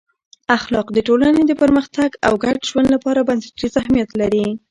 اخلاق د ټولنې د پرمختګ او ګډ ژوند لپاره بنسټیز اهمیت لري.